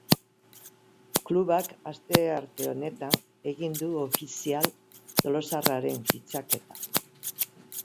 Klubak astearte honetan egin du ofizial tolosarraren fitxaketa.